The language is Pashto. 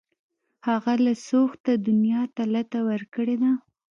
هغه له سوخته دنیا ته لته ورکړې ده